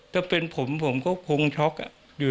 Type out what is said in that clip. ถ้าเป็นผมผมก็คงช็อกอยู่